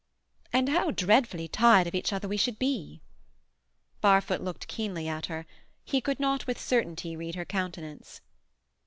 "And how dreadfully tired of each other we should be!" Barfoot looked keenly at her. He could not with certainty read her countenance.